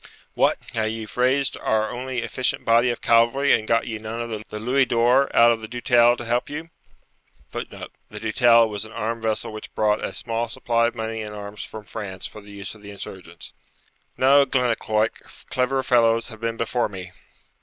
'What! have you raised our only efficient body of cavalry and got ye none of the louis d'or out of the Doutelle [Footnote: The Doutelle was an armed vessel which brought a small supply of money and arms from France for the use of the insurgents.] to help you?' 'No, Glennaquoich; cleverer fellows have been before me.'